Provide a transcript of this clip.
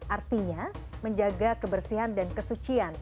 artinya menjaga kebersihan dan kesucian